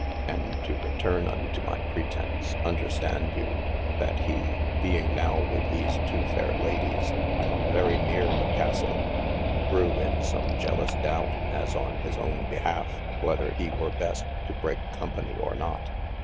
And to returne unto my pretence, understand you, that he (being now with these two fair Ladies come very neere the castle) grew in some jelouse doubt (as on his own /behalf) whether he wer best to break copany or not.